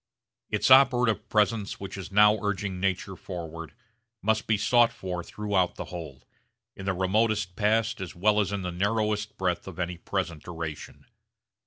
Its operative presence which is now urging nature forward must be sought for throughout the whole, in the remotest past as well as in the narrowest breadth of any present duration.